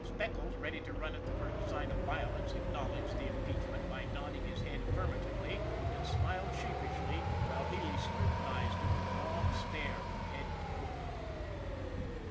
Speckles, ready to run at the first sign of violence, acknowledged the impeachment by nodding his head affirmatively, and smiled sheepishly while Healy scru tinized him with a long stare from head to foot.